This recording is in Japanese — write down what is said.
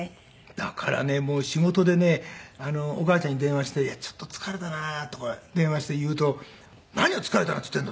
だからねもう仕事でねお母ちゃんに電話して「ちょっと疲れたな」とか電話して言うと「何を疲れたなんて言ってんの」